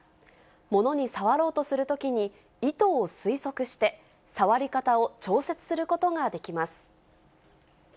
物に触ろうとするときに、意図を推測して触り方を調節することができます。